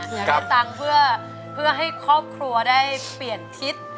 อยากได้ตังค์เพื่อให้ครอบครัวได้เปลี่ยนทิศ